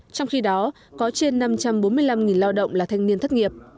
trong khi đó có trên năm trăm bốn mươi năm lao động là thanh niên thất nghiệp